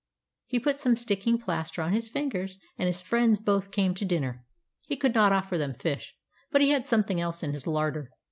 He put some sticking plaster on his fingers, and his friends both came to dinner. He could not offer them fish, but he had something else in his larder.